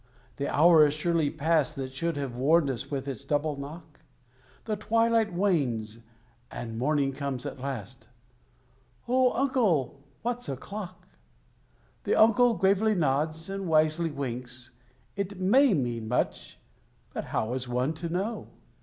The hour is surely past That should have warned us with its double knock? The twilight wanes, and morning comes at last "Oh, Uncle, what's o'clock?" The Uncle gravely nods, and wisely winks. It may mean much, but how is one to know?